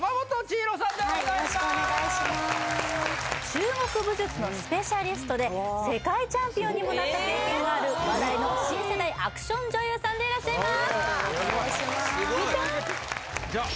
中国武術のスペシャリストで世界チャンピオンにもなったこともある話題の新世代アクション女優さんでいらっしゃいますお願いしますじゃお願いします